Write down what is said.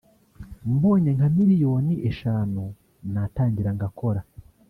mbonye nka miliyoni eshanu natangira ngakora